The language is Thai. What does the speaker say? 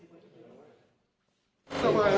พี่ขอโทษกว่าไม่ได้พี่ขอโทษกว่าไม่ได้